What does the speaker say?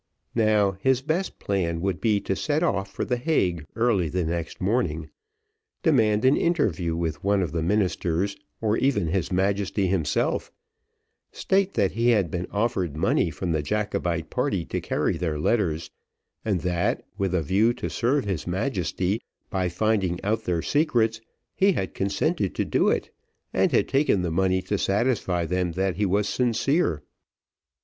Now, his best plan would be to set off for the Hague early the next morning demand an interview with one of the ministers, or even his Majesty himself state that he had been offered money from the Jacobite party to carry their letters, and that, with a view to serve his Majesty by finding out their secrets, he had consented to do it, and had taken the money to satisfy them that he was sincere.